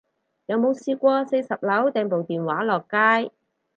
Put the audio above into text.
有冇試過四十樓掟部電話落街